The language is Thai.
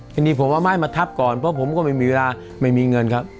ทีนี้ผมเอาไม้มาทับก่อนเพราะผมก็ไม่มีเวลาไม่มีเงินครับ